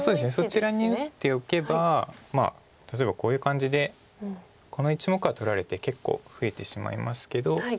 そちらに打っておけばまあ例えばこういう感じでこの１目は取られて結構増えてしまいますけど。